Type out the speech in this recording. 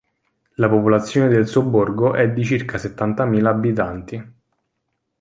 La popolazione del sobborgo è di circa settantamila abitanti.